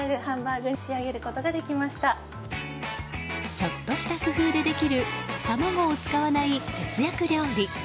ちょっとした工夫でできる卵を使わない節約料理。